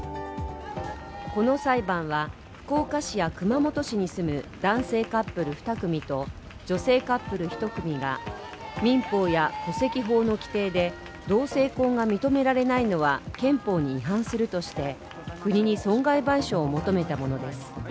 この裁判は福岡市や熊本市に住む男性カップル２組と、女性カップル１組が民法や戸籍法の規定で同性婚が認められないのは憲法に違反するとして国に損害賠償を求めたものです。